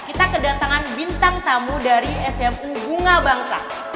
kita kedatangan bintang tamu dari smu bunga bangsa